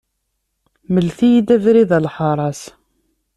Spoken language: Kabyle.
Mlet-iyi-d abrid ɣer lḥaṛa-s.